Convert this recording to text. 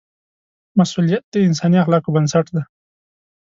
مسؤلیت د انساني اخلاقو بنسټ دی.